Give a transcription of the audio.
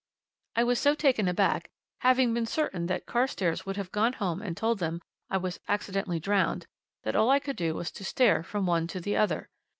I was so taken aback, having been certain that Carstairs would have gone home and told them I was accidentally drowned, that all I could do was to stare from one to the other.